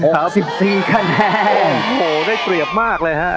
๖๔คะแนนโหได้เตรียมมากเลย